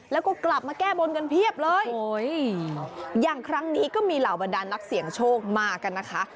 แล้วก็กลับมาแก้บนกันเพียบเลยอย่างครั้งนี้ก็มีเหล่าบรรดานนักเสี่ยงโชคมากันนะคะ